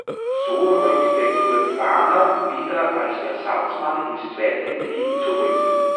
So rückte Kurt Warner wieder als Ersatzmann ins zweite Glied zurück.